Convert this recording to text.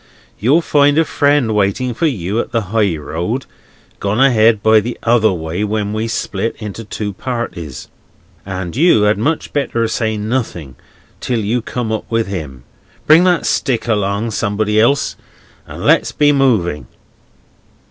You'll find a friend waiting for you, at the high road—gone ahead by the other way when we split into two parties—and you had much better say nothing till you come up with him. Bring that stick along, somebody else, and let's be moving!"